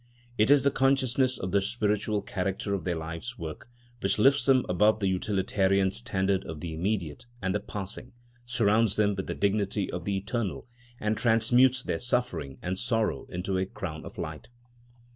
It is the consciousness of the spiritual character of their life's work, which lifts them above the utilitarian standard of the immediate and the passing, surrounds them with the dignity of the eternal, and transmutes their suffering and sorrow into a crown of light.